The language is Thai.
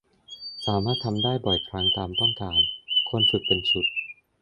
สามารถทำได้บ่อยครั้งตามต้องการ ควรฝึกเป็นชุด